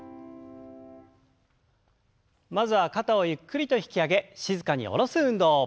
まずは肩をゆっくりと引き上げ静かに下ろす運動。